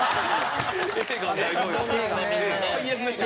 最悪でした。